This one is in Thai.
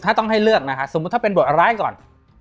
ถ้าต้องให้เลือกนะคะสมมุติถ้าเป็นบทร้ายก่อน